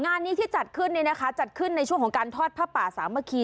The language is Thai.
งานนี้ที่จัดขึ้นเนี่ยนะคะจัดขึ้นในช่วงของการทอดผ้าป่าสามัคคี